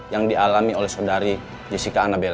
yang dialami oleh sodari jessica anabella